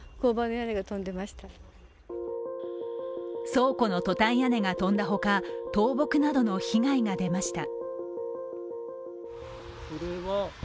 倉庫のトタン屋根が飛んだほか、倒木などの被害が出ました。